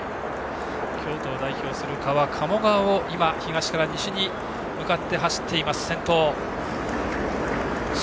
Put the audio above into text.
京都を代表する川鴨川を東から西に向かって走っています、先頭の倉敷。